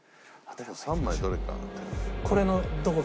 ３枚どれか。